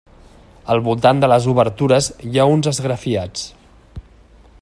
Al voltant de les obertures hi ha uns esgrafiats.